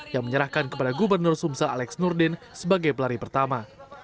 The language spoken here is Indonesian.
yang menyerahkan kepada gubernur sumsel alex nurdin sebagai pelari pertama